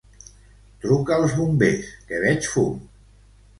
Truca als bombers, que veig fum.